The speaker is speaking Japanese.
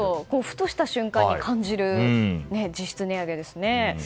ふとした瞬間に感じる実質値上げですね。